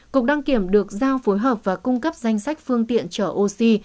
cục đăng kiểm được giao phối hợp và cung cấp danh sách phương tiện chở oxy